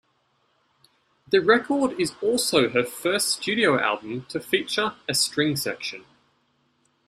The record is also her first studio album to feature a string section.